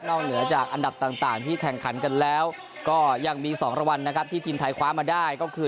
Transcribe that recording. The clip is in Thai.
เหนือจากอันดับต่างที่แข่งขันกันแล้วก็ยังมี๒รางวัลนะครับที่ทีมไทยคว้ามาได้ก็คือ